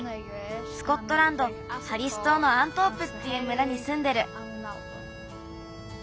スコットランドハリスとうのアントープっていう村にすんでる。